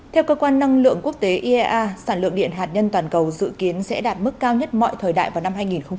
theo cơ quan năng lượng quốc tế iea sản lượng điện hạt nhân toàn cầu dự kiến sẽ đạt mức cao nhất mọi thời đại vào năm hai nghìn hai mươi